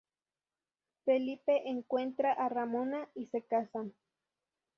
Felipe encuentra a Ramona y se casan.